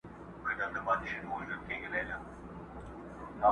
همېشه به يې دوه درې فصله کرلې٫